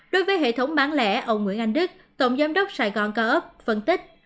đối với hệ thống bán lẻ ông nguyễn anh đức tổng giám đốc sài gòn co op phân tích